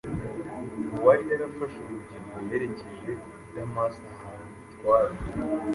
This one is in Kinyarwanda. Uwari yarafashe urugendo yerekeje i Damasi ahawe ubutware